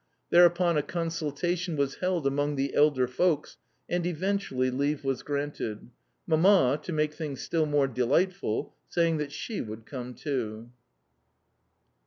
Thereupon a consultation was held among the elder folks, and eventually leave was granted Mamma, to make things still more delightful, saying that she would come too.